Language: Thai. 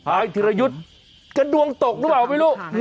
ธิรยุทธ์จะดวงตกหรือเปล่าไม่รู้